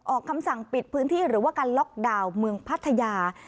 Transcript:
คำสั่งปิดพื้นที่หรือว่าการล็อกดาวน์เมืองพัทยา